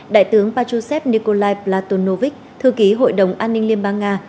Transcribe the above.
đại tướng patrushev nikolai platonovic thư ký hội đồng an ninh liên bang nga